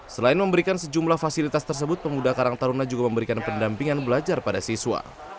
selain memberikan sejumlah fasilitas tersebut pemuda karang taruna juga memberikan pendampingan belajar pada siswa